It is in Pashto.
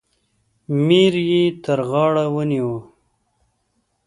میر یې تر غاړه ونیوی.